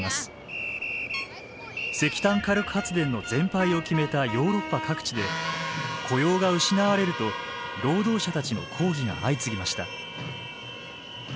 石炭火力発電の全廃を決めたヨーロッパ各地で雇用が失われると労働者たちの抗議が相次ぎました。